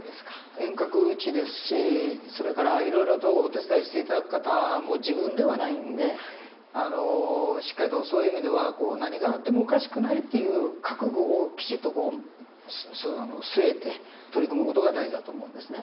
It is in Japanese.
遠隔地ですしそれからいろいろとお手伝いして頂く方も自分ではないんでしっかりとそういう意味では何があってもおかしくないっていう覚悟をきちっと据えて取り組む事が大事だと思うんですね。